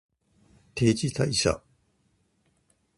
定時退社